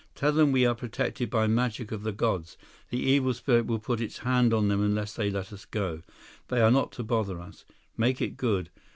Tell them we are protected by magic of the gods. The evil spirit will put its hand on them unless they let us go. They are not to bother us. Make it good.